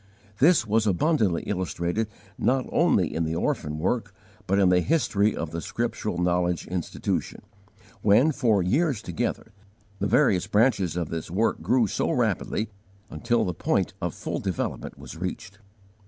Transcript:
This was abundantly illustrated not only in the orphan work, but in the history of the Scriptural Knowledge Institution; when, for years together, the various branches of this work grew so rapidly, until the point of full development was reached.